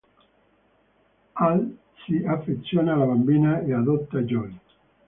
Hal si affeziona alla bambina e adotta Joy.